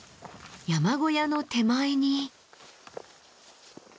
山小屋の手前に。